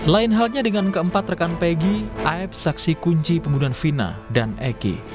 lain halnya dengan keempat rekan peggy af saksi kunci pembunuhan vina dan eki